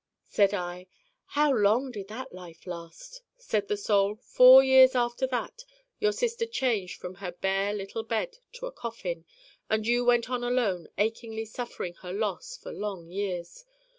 Said I: 'How long did that life last?' Said the Soul: 'Four years after that your sister changed from her bare little bed to a coffin and you went on alone achingly suffering her loss for long years.